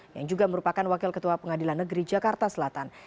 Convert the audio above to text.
yang juga merupakan wakil ketua pengadilan negeri jakarta selatan